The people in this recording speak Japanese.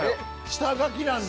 下書きなんだ。